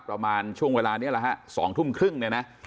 ประมาณช่วงเวลานี้ละฮะ๒๓๐นเนี่ยนะ